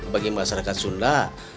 bagi masyarakat sunda